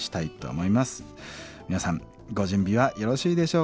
皆さんご準備はよろしいでしょうか？